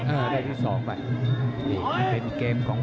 เออได้ที่สองไปนี่มันเป็นเกมของคู่แม่ง